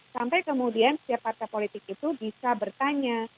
sampai kemudian setiap partai politik itu bisa bertanya